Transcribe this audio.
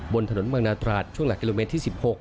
บนถนนเมืองนาตราดช่วงหลักกิโลเมตรที่๑๖